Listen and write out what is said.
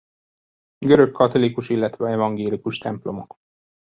Görög-katolikus illetve evangélikus templomok.